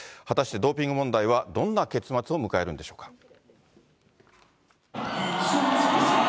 果たしてドーピング問題はどんな結末を迎えるんでしょうか。